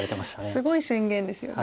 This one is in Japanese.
すごい宣言ですよね。